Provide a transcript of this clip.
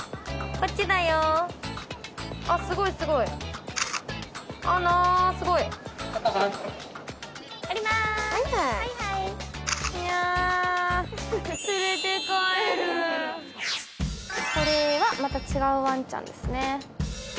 これはまた違うワンちゃんですね。